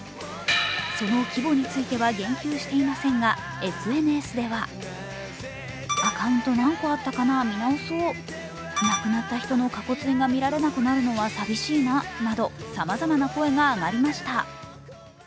その規模については言及していませんがＳＮＳではなどさまざまな声が上がりました。